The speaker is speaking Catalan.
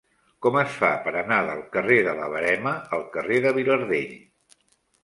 Com es fa per anar del carrer de la Verema al carrer de Vilardell?